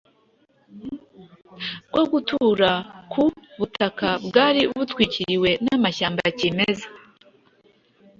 bwo gutura ku butaka bwari butwikiriwe n’amashyamba kimeza,